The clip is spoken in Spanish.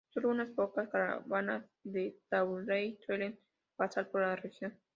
Sólo unas pocas caravanas de tuaregs suelen pasar por la región.